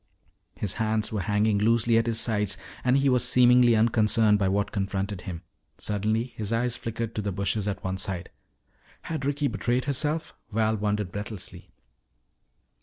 His hands were hanging loosely at his sides and he was seemingly unconcerned by what confronted him. Suddenly his eyes flickered to the bushes at one side. Had Ricky betrayed herself, Val wondered breathlessly.